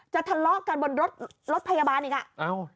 ทะเลาะกันบนรถรถพยาบาลอีกอ่ะ